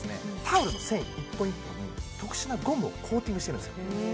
タオルの繊維１本１本に特殊なゴムをコーティングしてるんですよ